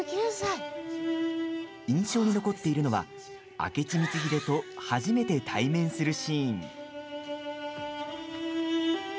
印象に残っているのは明智光秀と初めて対面するシーン。